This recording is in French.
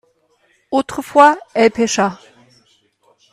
autrefois elle pêcha.